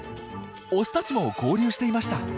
オスたちも合流していました。